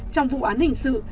trong vụ án hình sự